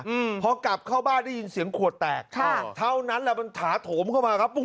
อืมพอกลับเข้าบ้านได้ยินเสียงขวดแตกค่ะเท่านั้นแหละมัน